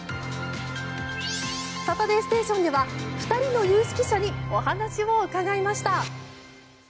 「サタデーステーション」では２人の有識者にお話を伺いました。